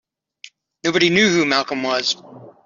Nobody knew who Malcolm was.